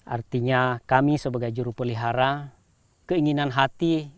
artinya kami sebagai juru pelihara keinginan hati